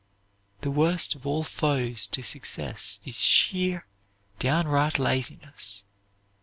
The worst of all foes to success is sheer, downright laziness.